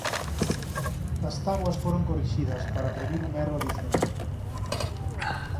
As táboas foron corrixidas para previr un erro adicional.